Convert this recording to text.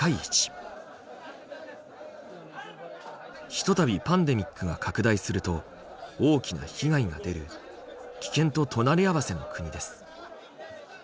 ひとたびパンデミックが拡大すると大きな被害が出る危険と隣り合わせの国です。